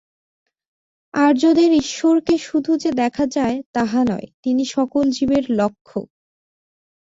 আর্যদের ঈশ্বরকে শুধু যে দেখা যায়, তাহা নয়, তিনি সকল জীবের লক্ষ্য।